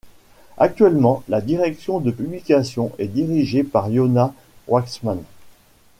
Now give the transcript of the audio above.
Actuellement, la direction de publication est dirigée par Yona Waksman.